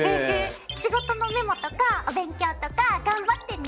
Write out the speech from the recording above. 仕事のメモとかお勉強とか頑張ってね。